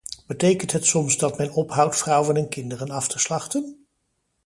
Betekent het soms dat men ophoudt vrouwen en kinderen af te slachten?